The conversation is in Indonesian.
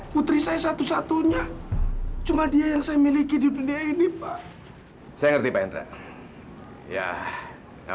putri saya satu satunya cuma dia yang saya miliki di dunia ini pak saya ngerti pak indra